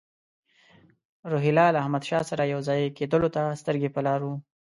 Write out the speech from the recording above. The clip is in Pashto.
روهیله له احمدشاه سره یو ځای کېدلو ته سترګې په لار وو.